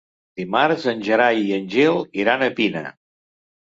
Dimarts en Gerai i en Gil iran a Pina.